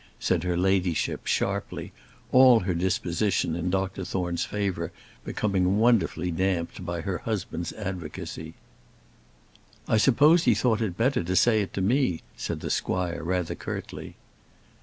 said her ladyship, sharply, all her disposition in Dr Thorne's favour becoming wonderfully damped by her husband's advocacy. "I suppose he thought it better to say it to me," said the squire, rather curtly.